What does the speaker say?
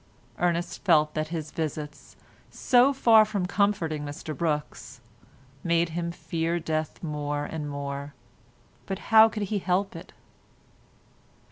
Ernest felt that his visits, so far from comforting Mr Brookes, made him fear death more and more, but how could he help it?